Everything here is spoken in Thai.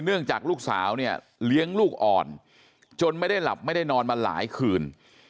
เนื่องจากลูกสาวเนี่ยเลี้ยงลูกอ่อนจนไม่ได้หลับไม่ได้นอนมาหลายคืน